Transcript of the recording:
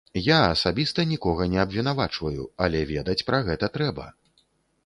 Я асабіста нікога не абвінавачваю, але ведаць пра гэта трэба.